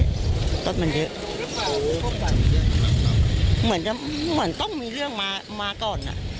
รถมันเยอะเหมือนจะเหมือนต้องมีเรื่องมามาก่อนอ่ะ